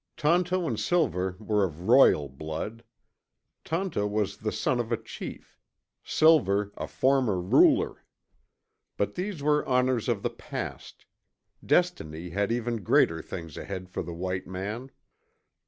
Tonto and Silver were of royal blood. Tonto was the son of a chief; Silver, a former ruler. But these were honors of the past. Destiny had even greater things ahead for the white man.